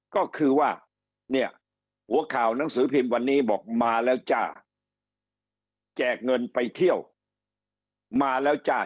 ก็คือว่าเนี่ยหัวข่าวหนังสือพิมพ์วันนี้บอกมาแล้วจ้า